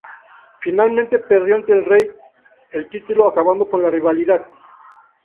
Finalmente perdió ante Rey el título, acabando la rivalidad.